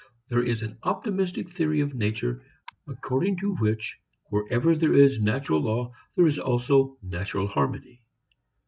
There is an optimistic theory of nature according to which wherever there is natural law there is also natural harmony.